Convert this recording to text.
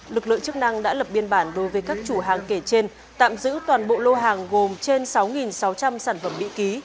lực lượng chức năng đã lập biên bản đối với các chủ hàng kể trên tạm giữ toàn bộ lô hàng gồm trên sáu sáu trăm linh sản phẩm mỹ ký